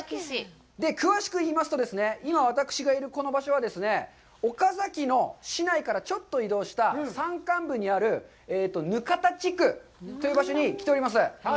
詳しく言いますとですね、今、私がいるこの場所は、岡崎の市内からちょっと移動した山間部にあるぬかた地区という場所に来ております。